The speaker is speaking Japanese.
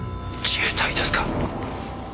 自衛隊ですか？